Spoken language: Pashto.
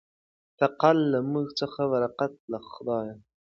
تکل له موږ څخه برکت له خدایه.